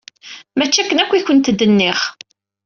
Mačči akken akk i kent-d-nniɣ!